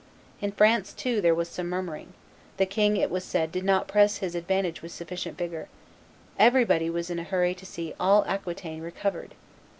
In France, too, there was some murmuring; the king, it was said, did not press his advantages with sufficient vigor; everybody was in a hurry to see all Aquitaine reconquered.